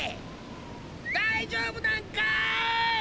大丈夫なんかい！